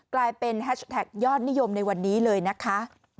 กลายเป็นแฮชแท็กยอดนิยมในวันนี้เลยนะคะ